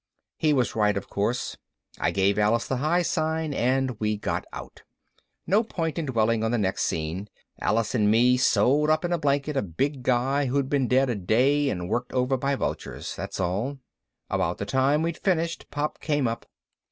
He was right of course. I gave Alice the high sign and we got out. No point in dwelling on the next scene. Alice and me sewed up in a blanket a big guy who'd been dead a day and worked over by vultures. That's all. About the time we'd finished, Pop came up.